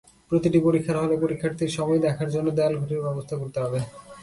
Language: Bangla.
প্রতিটি পরীক্ষার হলে পরীক্ষার্থীর সময় দেখার জন্য দেয়ালঘড়ির ব্যবস্থা করতে হবে।